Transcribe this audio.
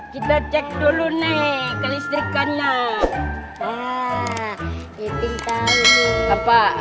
dulu dulu nih ke listrik karena